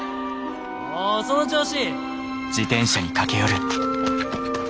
おその調子！